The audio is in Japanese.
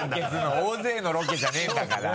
大勢のロケじゃねぇんだから。